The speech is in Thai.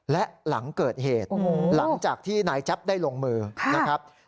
และหลังเกิดเหตุหลังจากที่นายแจ๊บได้ลงมือนะครับ